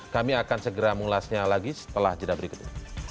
kami akan segera mengulasnya lagi setelah jeda berikut